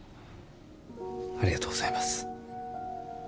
ありがとうございます。